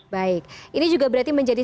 baik ini juga berarti menjadi